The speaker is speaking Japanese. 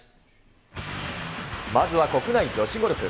まずは国内女子ゴルフ。